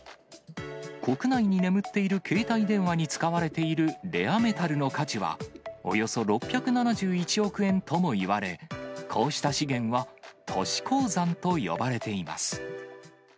国内に眠っている携帯電話に使われているレアメタルの価値は、およそ６７１億円ともいわれ、こうした資源は、都市鉱山と呼ばれています。